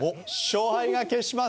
勝敗が決します。